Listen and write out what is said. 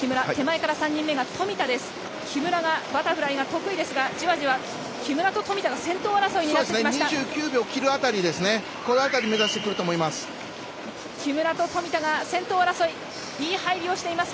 木村がバタフライが得意ですがじわじわ木村と富田が先頭争いになってきました。